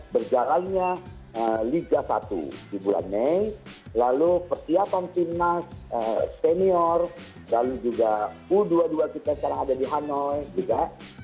berjalannya liga satu di bulan mei lalu persiapan timnas senior lalu juga u dua puluh dua kita sekarang ada di hanoi juga